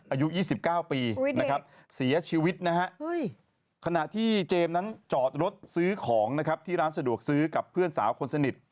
อายุ๒๙ปีนะครับเสียชีวิตนะฮะขณะที่เจมส์นั้นจอดรถซื้อของนะครับที่ร้านสะดวกซื้อกับเพื่อนสาวคนสนิท